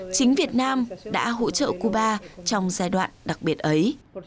chính việt nam đã hỗ trợ cuba trong giai đoạn đặc biệt ấy